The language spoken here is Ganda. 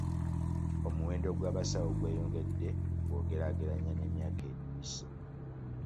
Omuwendo gw'abasawo gweyongedde bw'ogeraageranya n'emyaka egiyise.